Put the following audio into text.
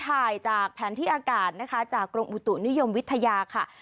ถ่ายจากแผนที่อากาศนะคะจากกรมอุตุนิยมวิทยาค่ะ